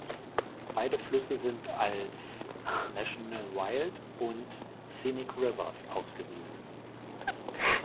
Beide Flüsse sind als National Wild and Scenic Rivers ausgewiesen.